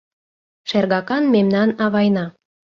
— Шергакан мемнан авайна